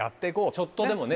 ちょっとでもね。